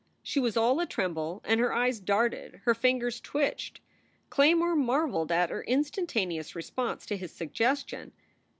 She was all atremble and her eyes darted, her fingers twitched. Claymore marveled at her instantaneous response to his suggestion.